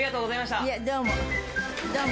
いえ、どうも。